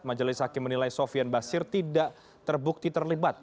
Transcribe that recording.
majelis hakim menilai sofian basir tidak terbukti terlibat